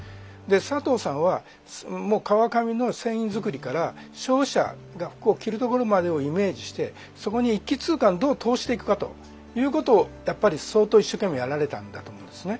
佐藤さんは川上の繊維作りから消費者が服を着るところまでをイメージしてそこに一気通貫どう通していくかということをやっぱり相当一生懸命やられたんだと思うんですね。